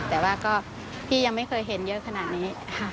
แต่ว่าก็พี่ยังไม่เคยเห็นเยอะขนาดนี้